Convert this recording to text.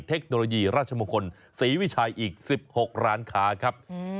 เทคโนโลยีราชมงคลศรีวิชัยอีก๑๖ร้านค้าครับ